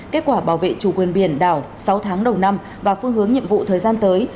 kết quả bảo vệ chủ quyền biển đảo sáu tháng đầu năm và phương hướng nhiệm vụ thời gian tới